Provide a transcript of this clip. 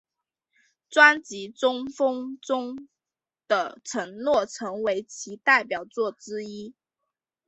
专辑中风中的承诺成为其代表作之一。